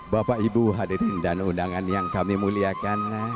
bapak ibu hadirin dan undangan yang kami muliakan